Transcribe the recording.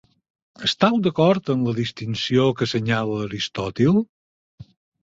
Esteu d'acord amb la distinció que assenyala Aristòtil?